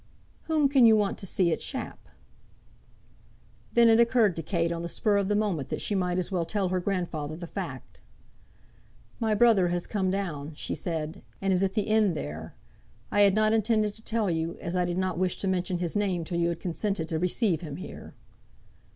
"Whom can you want to see at Shap?" Then it occurred to Kate on the spur of the moment that she might as well tell her grandfather the fact. "My brother has come down," she said; "and is at the inn there. I had not intended to tell you, as I did not wish to mention his name till you had consented to receive him here."